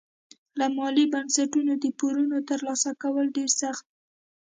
له مالي بنسټونو د پورونو ترلاسه کول ډېر سخت وي.